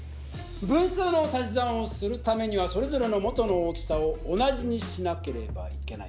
分数の足し算をするためにはそれぞれの元の大きさを同じにしなければいけない。